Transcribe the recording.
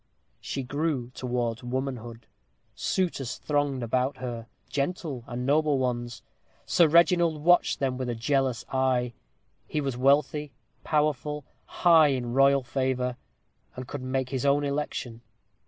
She grew towards womanhood. Suitors thronged around her gentle and noble ones. Sir Reginald watched them with a jealous eye. He was wealthy, powerful, high in royal favor; and could make his own election.